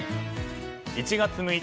１月６日